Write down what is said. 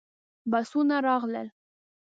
بسونه راغلل.